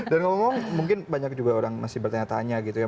dan ngomong mungkin banyak juga orang masih bertanya tanya gitu ya